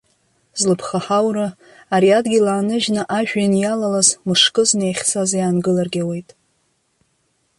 Злыԥха ҳаура, ари адгьыл ааныжьны ажәҩан иалалаз мышкызны иахьцаз иаангыларгьы ауеит.